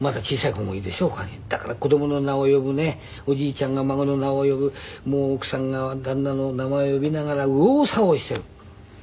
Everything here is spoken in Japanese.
だから子供の名を呼ぶねおじいちゃんが孫の名を呼ぶ奥さんが旦那の名前を呼びながら右往左往している。